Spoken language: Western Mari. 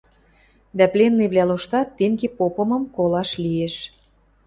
Дӓ пленныйвлӓ лоштат тенге попымым колаш лиэш...